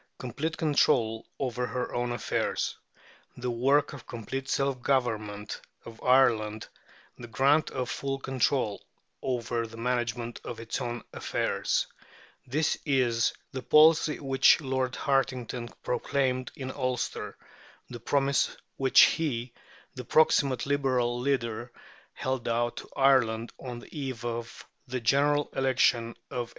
"Complete control over her own affairs," "the work of complete self government of Ireland, the grant of full control over the management of its own affairs:" this is the policy which Lord Hartington proclaimed in Ulster, the promise which he, the proximate Liberal leader, held out to Ireland on the eve of the General Election of 1885.